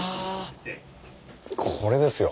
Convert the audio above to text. これですよ。